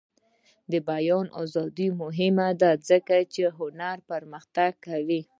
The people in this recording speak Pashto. د بیان ازادي مهمه ده ځکه چې هنر پرمختګ کوي.